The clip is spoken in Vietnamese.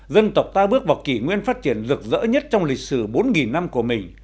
dân tộc ta bước vào kỷ nguyên phát triển rực rỡ nhất trong lịch sử bốn năm của mình